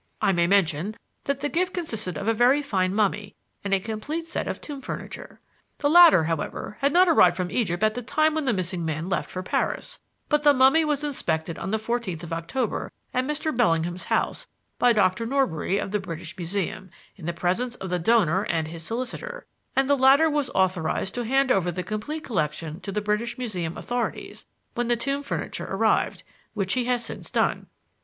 I may mention that the gift consisted of a very fine mummy and a complete set of tomb furniture. The latter, however, had not arrived from Egypt at the time when the missing man left for Paris, but the mummy was inspected on the fourteenth of October at Mr. Bellingham's house by Dr. Norbury of the British Museum, in the presence of the donor and his solicitor, and the latter was authorized to hand over the complete collection to the British Museum authorities when the tomb furniture arrived; which he has since done.